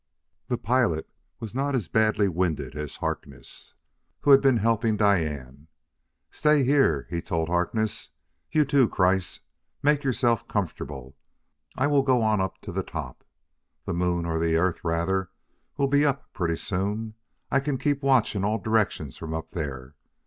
The pilot was not as badly winded as Harkness who bad been helping Diane. "Stay here," he told Harkness; "you too, Kreiss; make yourselves comfortable. I will go on up to the top. The moon or the Earth, rather will be up pretty soon; I can keep watch in all directions from up there.